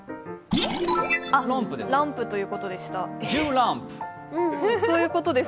ランプということです。